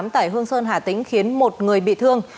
tại hương sơn hà tĩnh khiến một người bị thương